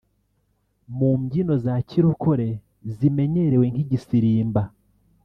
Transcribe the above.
mu mbyino za kirokore zimenyerewe nk’igisirimba